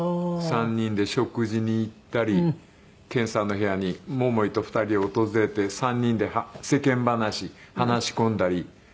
３人で食事に行ったり健さんの部屋に桃井と２人で訪れて３人で世間話話し込んだり。